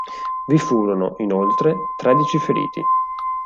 Vi furono, inoltre, tredici feriti.